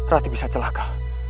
ratih bisa celaka